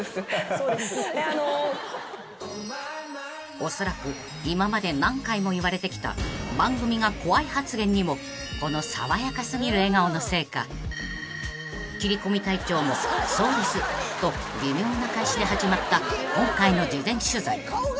［おそらく今まで何回も言われてきた番組が怖い発言にもこの爽やか過ぎる笑顔のせいか切り込み隊長も「そうです」と微妙な返しで始まった今回の事前取材］